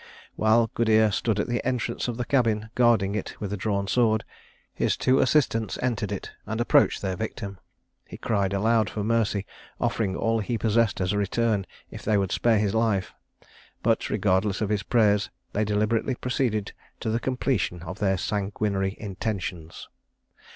While Goodere stood at the entrance of the cabin guarding it with a drawn sword, his two assistants entered it, and approached their victim. He cried aloud for mercy, offering all he possessed as a return, if they would spare his life; but, regardless of his prayers, they deliberately proceeded to the completion of their sanguinary intentions.